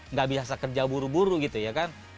nggak biasa kerja buru buru gitu ya kan